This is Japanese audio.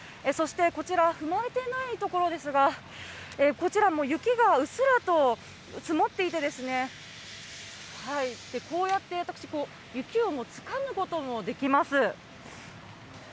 そして、こちら、踏まれていない所ですが、こちらもう雪がうっすらと積もっていて、こうやって、私、雪をつかむこともできます。